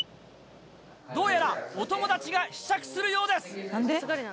どうやらお友達が試着するよどう？